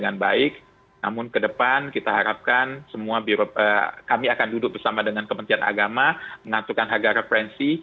namun ke depan kita harapkan kami akan duduk bersama dengan kementerian agama mengaturkan harga referensi